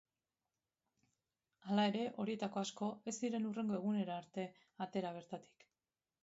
Hala ere, horietako asko ez ziren hurrengo egunera arte atera bertatik.